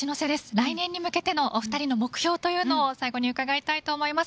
来年に向けてのお二人の目標というのを最後に伺いたいと思います。